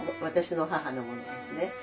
私の母のものですね。